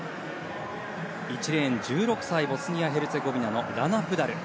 １レーン、１６歳ボスニア・ヘルツェゴビナのラナ・プダル。